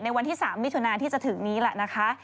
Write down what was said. วันที่๓มิถุนาที่จะถึงนี้แหละนะคะ